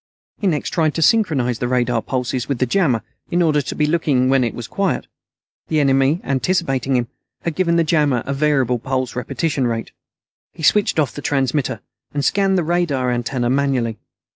He next tried to synchronize his radar pulses with the jammer, in order to be looking when it was quiet. The enemy, anticipating him, had given the jammer a variable pulse repetition rate. He switched off the transmitter, and scanned the radar antenna manually.